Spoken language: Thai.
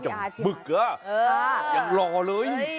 บึกอะยังหล่อเลย